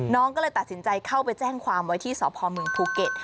น้องก็เลยตัดสินใจเข้าไปแจ้งความไว้ที่สพเมืองภูเก็ต